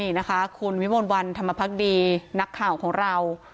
นี่นะคะคุณวิมลวันธรรมพักดีนักข่าวของเรา